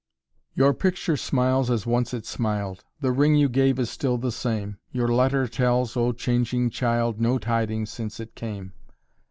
"Your picture smiles as once it smiled; The ring you gave is still the same; Your letter tells, O changing child, No tidings since it came!